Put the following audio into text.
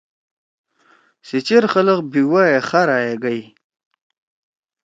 سے چیر خلگ بھی وائے خارا یے گئی۔